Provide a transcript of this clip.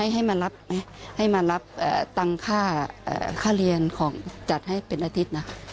ให้มารับให้มารับตังค่าเรียนของจัดให้เป็นอาทิตย์นะ